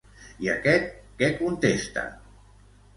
I aquest què contesta?